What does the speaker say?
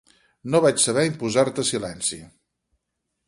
No vaig saber imposar-te silenci.